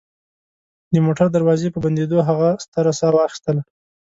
د موټر دروازې په بندېدو هغه ستره ساه واخیستله